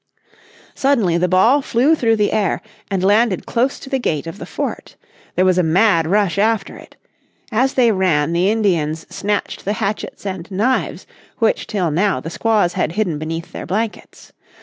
Suddenly the ball flew through the air and landed close to the gate of the fort. There was a mad rush after it. As they ran the Indians snatched the hatchets and knives which till now the squaws had hidden beneath their blankets.